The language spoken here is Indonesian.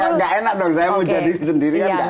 ya gak enak dong saya mau jadi sendiri kan gak enak